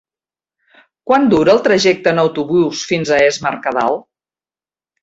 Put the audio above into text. Quant dura el trajecte en autobús fins a Es Mercadal?